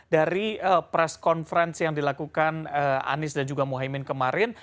dari press conference yang dilakukan anies dan juga muhaymin kemarin